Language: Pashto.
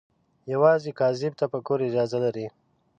یوازې کاذب تفکر اجازه لري